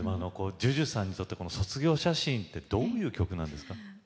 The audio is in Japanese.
ＪＵＪＵさんにとって「卒業写真」ってどういう曲なんですか？